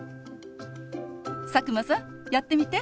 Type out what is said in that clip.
佐久間さんやってみて。